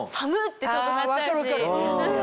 てちょっとなっちゃうし。